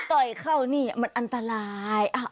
ต่อยเข้านี่มันอันตราย